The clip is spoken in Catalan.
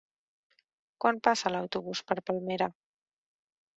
Quan passa l'autobús per Palmera?